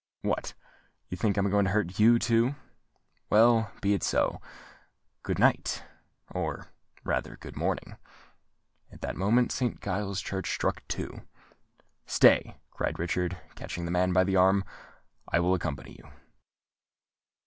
What! you think I am going to hurt you too? Well, be it so. Goodnight—or rather good morning." At that moment Saint Giles's Church struck two. "Stay," cried Richard, catching the man by the arm: "I will accompany you."